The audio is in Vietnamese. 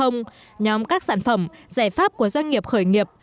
nhóm các sản phẩm giải pháp của doanh nghiệp khởi nghiệp